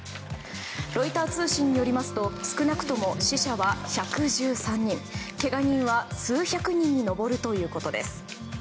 ロイター通信によりますと少なくとも死者は１１３人けが人は数百人に上るということです。